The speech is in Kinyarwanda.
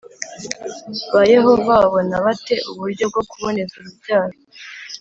ba Yehova babona bate uburyo bwo kuboneza urubyaro